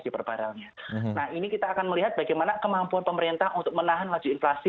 nah ini kita akan melihat bagaimana kemampuan pemerintah untuk menahan laju inflasi